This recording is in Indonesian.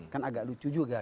kan agak lucu juga